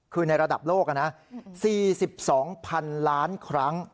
คือในระดับโลกนะ๔๒๐๐๐ล้านครั้ง